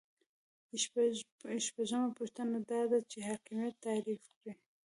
شپږمه پوښتنه دا ده چې حاکمیت تعریف کړئ.